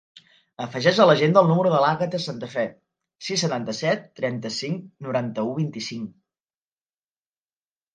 Afegeix a l'agenda el número de l'Àgata Santafe: sis, setanta-set, trenta-cinc, noranta-u, vint-i-cinc.